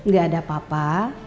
gak ada apa apa